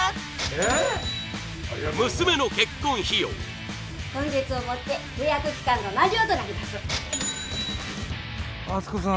ええっ娘の結婚費用本日をもって契約期間の満了となります篤子さん